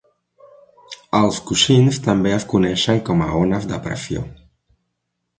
Els coixins també es coneixen com a "ones de pressió".